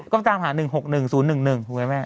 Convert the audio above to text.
ก็ตามหา๑๖๑๐๑๑ถูกไหมแม่